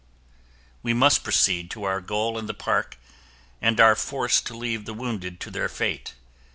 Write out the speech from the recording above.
We must proceed to our goal in the park and are forced to leave the wounded to their fate.